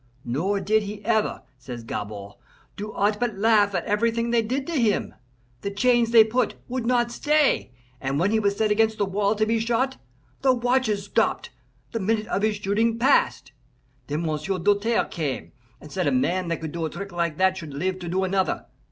Nor did he ever, says Gabord, do aught but laugh at everything they did to him. The chains they put would not stay, and when he was set against the wall to be shot, the watches stopped the minute of his shooting passed. Then M'sieu' Doltaire came, and said a man that could do a trick like that should live to do another.